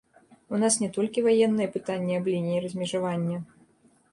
У нас не толькі ваенныя пытанні аб лініі размежавання.